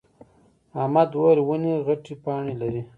احمد وويل: ونې غتې پاڼې لري.